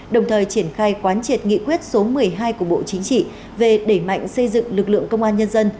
đồng thời triển khai quán triệt nghị quyết số một mươi hai của bộ chính trị về đẩy mạnh xây dựng lực lượng công an nhân dân